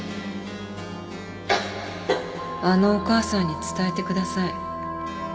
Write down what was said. あのお母さんに伝えてください。